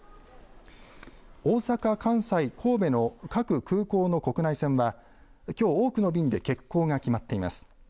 大阪、関西、神戸の各空港の国内線はきょう多くの便で欠航が決まっています。